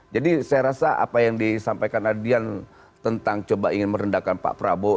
jadi saya rasa apa yang disampaikan adian tentang coba ingin merendahkan pak prabowo